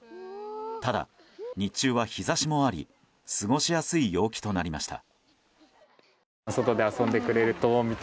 ただ、日中は日差しもあり過ごしやすい陽気となりました。